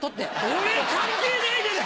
俺関係ねえじゃ！